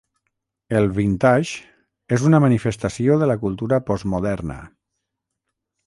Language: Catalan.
El vintage és una manifestació de la cultura postmoderna.